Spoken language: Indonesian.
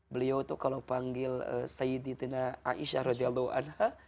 beliau itu kalau panggil sayyidina aisyah